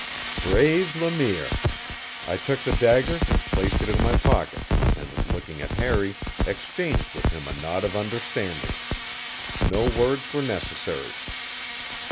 Brave Le Mire! I took the dagger and placed it in my pocket, and, looking at Harry, exchanged with him a nod of understanding. No words were necessary.